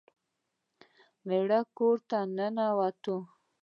میړه کور ته ننوت.